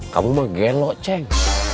kamu mah gelok ceng